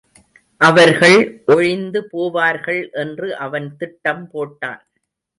அவர்கள் ஒழிந்து போவார்கள் என்று அவன் திட்டம் போட்டான்.